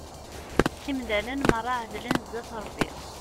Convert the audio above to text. Imdanen merra εedlen zzat Rebbi.